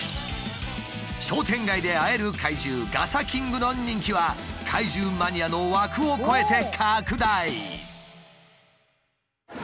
商店街で会える怪獣ガサキングの人気は怪獣マニアの枠を超えて拡大！